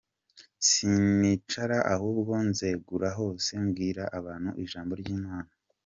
Sinicara ahubwo nzenguruka hose mbwira abantu ijambo ry’Imana.